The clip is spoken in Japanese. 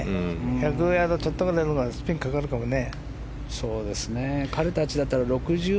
１００ヤードちょっとぐらいのほうがスピンがかかるからね。